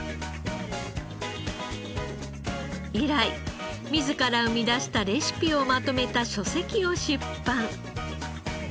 以来自ら生み出したレシピをまとめた書籍を出版。